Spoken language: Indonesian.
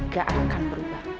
gak akan berubah